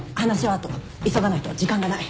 急がないと時間がない。